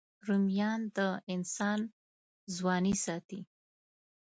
رومیان د انسان ځواني ساتي